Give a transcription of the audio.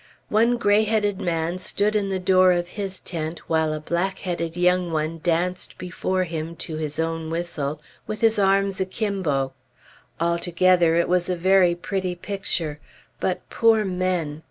One gray headed man stood in the door of his tent, while a black headed young one danced before him, to his own whistle, with his arms akimbo. Altogether it was a very pretty picture; but poor men!